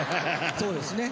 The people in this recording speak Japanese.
そうですね。